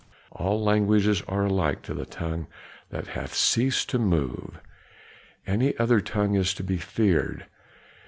All languages are alike to the tongue that hath ceased to move; any other tongue is to be feared."